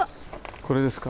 これですか。